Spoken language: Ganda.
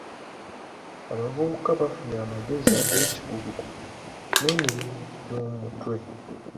Abavubuka bafunye amagezi ag'ekikugu n'emirimu gy'omu mutwe.